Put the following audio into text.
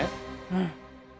うん。